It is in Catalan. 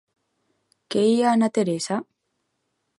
¿Que hi ha na Teresa?